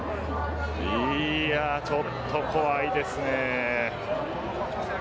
いやあ、ちょっと怖いですね。